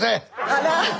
あら。